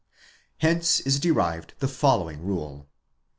Hence is derived the following rule.